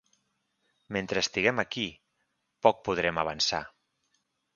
Mentre estiguem aquí, poc podrem avançar.